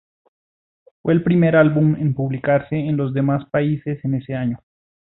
Fue el primer álbum en publicarse en los demás países en ese año.